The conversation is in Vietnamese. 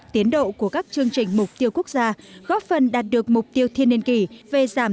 tiến độ của các chương trình mục tiêu quốc gia góp phần đạt được mục tiêu thiên niên kỷ về giảm